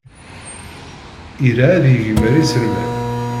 Ira ad yegmer iselman.